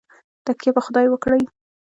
تککیه په خدای وکړئ